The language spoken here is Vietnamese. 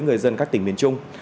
người dân các tỉnh miền trung